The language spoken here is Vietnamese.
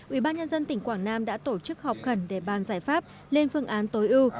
ubnd tỉnh quảng nam đã tổ chức họp khẩn để ban giải pháp lên phương án tối ưu